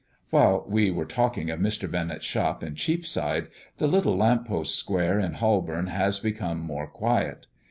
While we were talking of Mr. Bennett's shop in Cheapside, the little lamp post Square in Holborn has become more quiet.